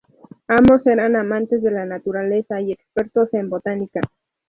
Ambos eran amantes de la naturaleza y expertos en botánica.